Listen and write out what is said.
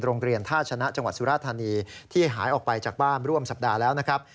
โรงเรียนท่าชนะจังหวัดสุราธานีที่หายออกไปจากบ้านร่วมสัปดาห์แล้วนะครับ